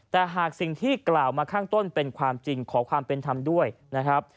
แต่หากสิ่งที่กล่าวมาข้างต้นเป็นความจริงขอความเป็นธรรมด้วยนะครับ